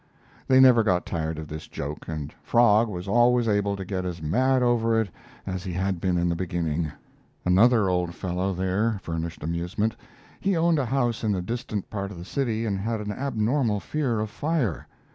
They never got tired of this joke, and Frog was always able to get as mad over it as he had been in the beginning. Another old fellow there furnished amusement. He owned a house in the distant part of the city and had an abnormal fear of fire.